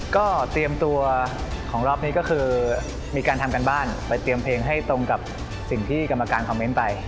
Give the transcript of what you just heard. ก็เตรียมตัวของรอบนี้ก็คือมีการทำการบ้านไปเตรียมเพลงให้ตรงกับสิ่งที่กรรมการคอมเมนต์ไป